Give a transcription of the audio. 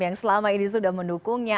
yang selama ini sudah mendukungnya